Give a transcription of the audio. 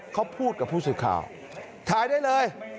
เขาพูดกับผู้สื่อข่าวถ่ายได้เลย